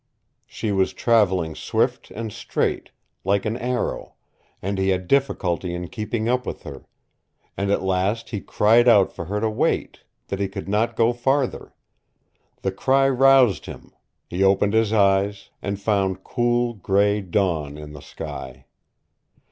She was traveling swift and straight, like an arrow, and he had difficulty in keeping up with her, and at last he cried out for her to wait that he could go no farther. The cry roused him. He opened his eyes, and found cool, gray dawn in the sky.